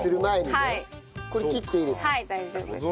はい大丈夫です。